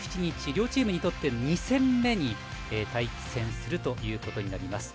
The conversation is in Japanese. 両チームにとって２戦目に対戦することになります。